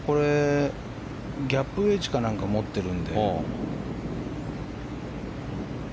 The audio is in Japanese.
ギャップウェッジか何か持ってるので。